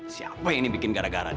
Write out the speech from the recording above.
siapa ini bikin gara gara nih